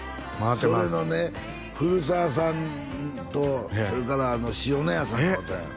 それのね古澤さんとそれから塩谷さんに会うたんよ